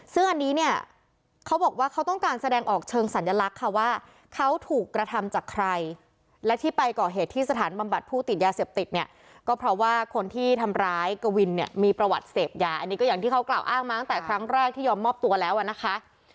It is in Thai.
ซึ่งอันนี้เนี่ยเขาบอกว่าเขาต้องการแสดงออกเชิงสัญลักษณ์ค่ะว่าเขาถูกกระทำจากใครและที่ไปก่อเหตุที่สถานบำบัดผู้ติดยาเสพติดเนี่ยก็เพราะว่าคนที่ทำร้ายกวินเนี่ยมีประวัติเสพยาอันนี้ก็อย่างที่เขากล่าวอ้างมาตั้งแต่ครั้งแรกที่ยอมมอบตัวแล้วอ่ะนะคะ